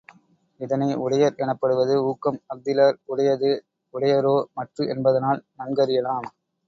இதனை, உடையர் எனப்படுவது ஊக்கம் அஃதிலார் உடையது உடையரோ மற்று என்பதனால் நன்கறியலாம்.